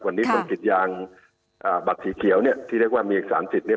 วันนี้คนกรีดยางอ่าบัตรสีเขียวเนี่ยที่เรียกว่ามีเอกสารสิทธิ์เนี่ย